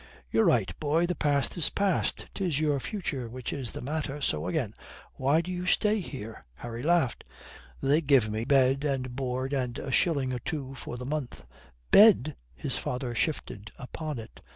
"You're right, boy. The past is past. 'Tis your future which is the matter. So again why do you stay here?" Harry laughed. "They give me bed and board, and a shilling or two by the month." "Bed?" His father shifted upon it.